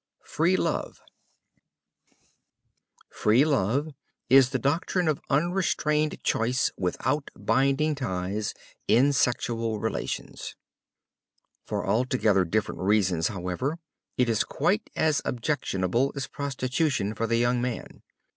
FREE LOVE Free love is the doctrine of unrestrained choice, without binding ties, in sexual relations. For altogether different reasons, however, it is quite as objectionable as prostitution for the young man.